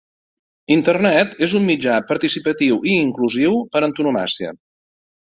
Internet és un mitjà participatiu i inclusiu per antonomàsia.